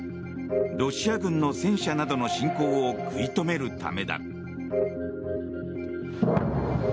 ロシア軍の戦車などの侵攻を食い止めるためだ。